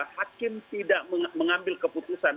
hakim tidak mengambil keputusan